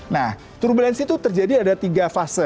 nah turbulensi itu terjadi ada tiga fase